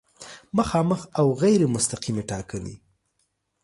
مخامخ او غیر مستقیمې ټاکنې